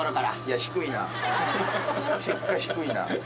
結果低いな。